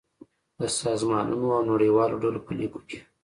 د سازمانونو او نړیوالو ډلو په ليکو کې